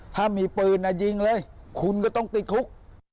ถ้ามีปืนยิงเลยคุณก็ต้องติดคุก